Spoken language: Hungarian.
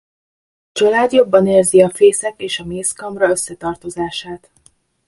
A család jobban érzi a fészek és a mézkamra összetartozását.